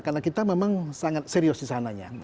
karena kita memang sangat serius di sananya